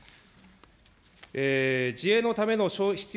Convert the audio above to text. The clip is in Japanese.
自衛のための必要